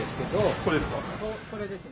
これですね。